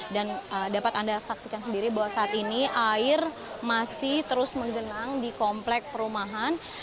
dan dapat anda saksikan sendiri bahwa saat ini air masih terus menggelang di komplek perumahan